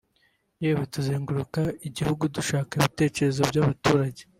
yewe tuzenguruka igihugu dushaka ibitekerezo by’abaturage